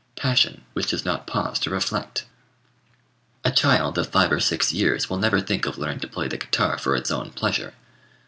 Passion, which does not pause to reflect. A child of five or six years will never think of learning to play the guitar for its own pleasure.